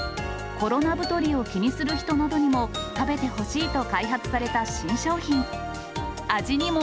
コロナ太りを気にする人などにも食べてほしいと開発された新商品。